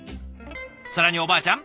更におばあちゃん